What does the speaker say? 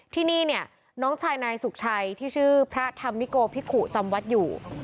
ที่นี่เนี่ยน้องชายนายสุขชัยที่ชื่อพระธรรมิโกพิกุจำวัดอยู่